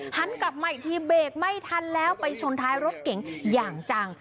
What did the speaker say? หันกลับมาอีกทีเบรกไม่ทันแล้วไปชนท้ายรถเก๋งอย่างจัง